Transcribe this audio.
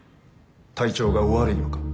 体調がお悪いのか？